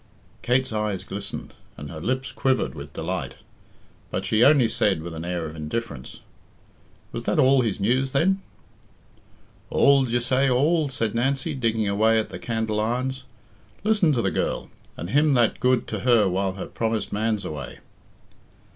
Kate's eyes glistened, and her lips quivered with delight; but she only said, with an air of indifference, "Was that all his news, then?" "All? D'ye say all?" said Nancy, digging away at the candle irons. "Listen to the girl! And him that good to her while her promist man's away!"